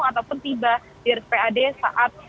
ataupun tiba di rspad saat